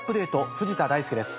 藤田大介です。